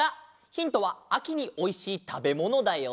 ヒントはあきにおいしいたべものだよ。